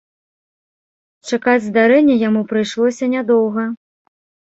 Чакаць здарэння яму прыйшлося нядоўга.